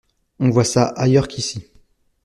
On voit ça ailleurs qu'ici.